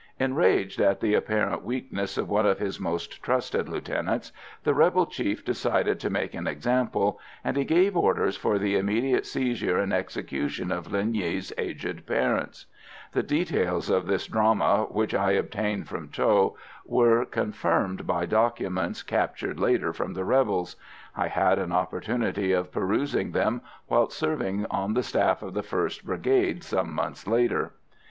Enraged at the apparent weakness of one of his most trusted lieutenants, the rebel chief decided to make an example, and he gave orders for the immediate seizure and execution of Linh Nghi's aged parents. The details of this drama, which I obtained from Tho, were confirmed by documents captured later from the rebels. I had an opportunity of perusing them whilst serving on the staff of the 1st Brigade some months later.